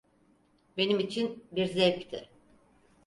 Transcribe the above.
Benim için bir zevkti.